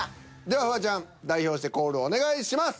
ではフワちゃん代表してコールお願いします。